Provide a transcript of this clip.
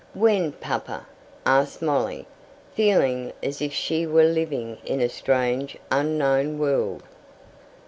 "When, papa?" asked Molly, feeling as if she were living in a strange, unknown world.